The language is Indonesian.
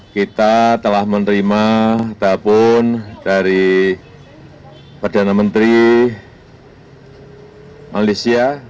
kita telah menerima telepon dari perdana menteri malaysia